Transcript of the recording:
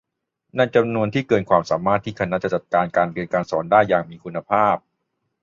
ในจำนวนที่เกินความสามารถที่คณะจะจัดการเรียนการสอนได้อย่างมีคุณภาพ